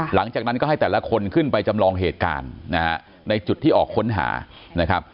หลังจากนั้นก็ให้แต่ละคนขึ้นไปจำลองเหตุการณ์นะฮะในจุดที่ออกค้นหานะครับ